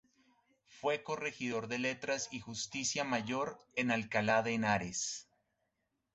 Fue corregidor de letras y Justicia Mayor en Alcalá de Henares.